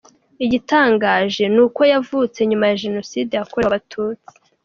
Igitangaje ni uko yavutse nyuma ya Jenoside yakorewe Abatutsi.